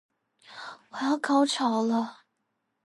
我要高潮了